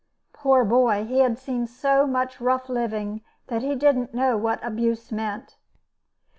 Poor boy! he had seen so much rough living that he didn't know what abuse meant.